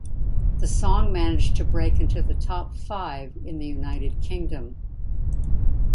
The song managed to break into the top five in the United Kingdom.